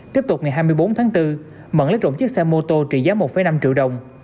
tiếp tục ngày hai mươi bốn tháng bốn mẫn lấy trộm chiếc xe mô tô trị giá một năm triệu đồng